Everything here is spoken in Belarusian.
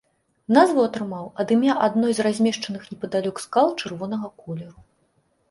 Назву атрымаў ад імя адной з размешчаных непадалёк скал чырвонага колеру.